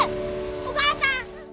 お母さん！